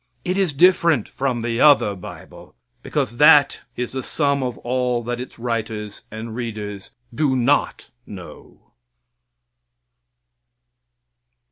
It is different from the other bible, because that is the sum of all that its writers and readers do not know.